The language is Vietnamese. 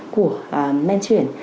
của men chuyển